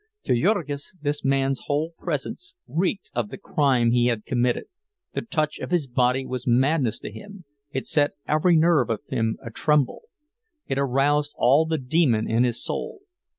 To Jurgis this man's whole presence reeked of the crime he had committed; the touch of his body was madness to him—it set every nerve of him a tremble, it aroused all the demon in his soul.